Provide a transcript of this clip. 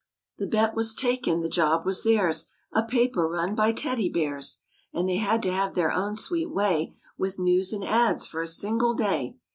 The bet was taken; the job was theirs; A paper run by Teddy Bears And they to have their own sweet way With news and ads for a single day.